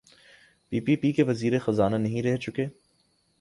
پی P P کے وزیر خزانہ نہیں رہ چکے؟